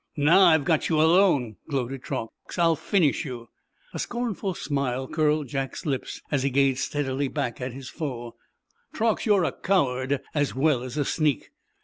"Now, I've got you alone!" gloated Truax. "I'll finish you!" A scornful smile curled Jack's lips as he gazed steadily back at his foe. "Truax, you're a coward, as well as a sneak."